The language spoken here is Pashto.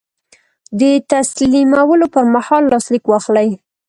د تسلیمولو پر مهال لاسلیک واخلئ.